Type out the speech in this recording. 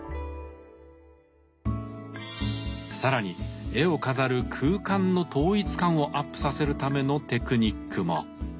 更に絵を飾る空間の統一感をアップさせるためのテクニックも。